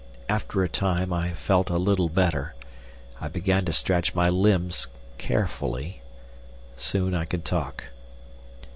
After a time I felt a little better. I began to stretch my limbs carefully. Soon I could talk.